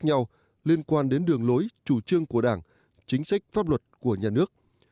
nhau liên quan đến đường lối chủ trương của đảng chính sách pháp luật của nhà nước